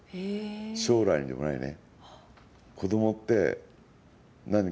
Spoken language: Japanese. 将来でもないね。